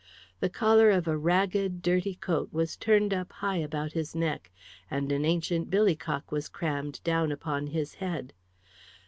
The collar of a ragged, dirty coat was turned up high about his neck, and an ancient billycock was crammed down upon his head.